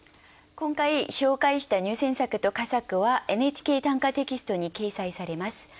今回紹介した入選作と佳作は「ＮＨＫ短歌」テキストに掲載されます。